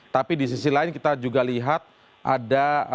tapi di sisi lain kita juga lihat ada